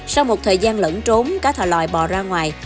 sau một thời gian lẫn trốn cá thò lòi bò ra ngoài